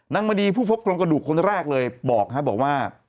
นางมณีผู้พบกลมกระดูกคนแรกเลยบอกนะฮะบอกว่า